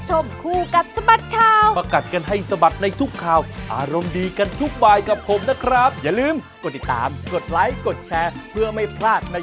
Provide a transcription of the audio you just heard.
ใช่อย่าลืมอย่าลืมนะ